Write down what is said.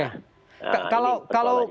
nah ini persoalannya